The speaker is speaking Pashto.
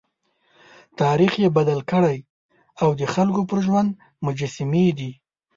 تاریخ یې بدل کړی او د خلکو په ژوند مجسمې دي.